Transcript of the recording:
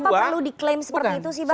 tapi kenapa perlu diklaim seperti itu sih pak